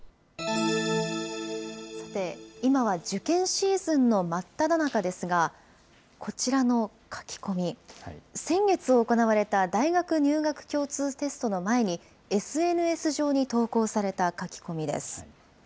さて、今は受験シーズンの真っただ中ですが、こちらの書き込み、先月行われた大学入学共通テストの前に、ＳＮＳ上に投稿された書き込みです。